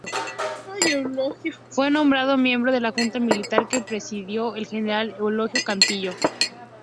Fue nombrado miembro de la Junta Militar que presidió el general Eulogio Cantillo.